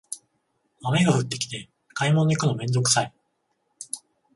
雨が降ってきて買い物行くのめんどくさい